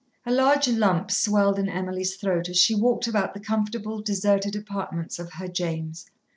A large lump swelled in Emily's throat as she walked about the comfortable, deserted apartments of her James.